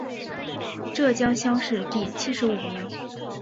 浙江乡试第七十五名。